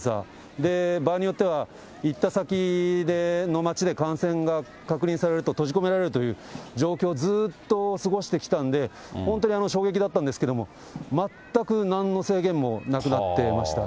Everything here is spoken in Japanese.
で、場合によっては行った先の町で感染が確認されると閉じ込められるという状況、ずっと過ごしてきたんで、本当に衝撃だったんですけれども、全くなんの制限もなくなってました。